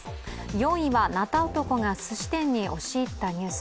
４位は、なた男がすし店に押し入ったニュース。